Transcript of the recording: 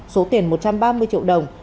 số tiền một trăm ba mươi triệu đồng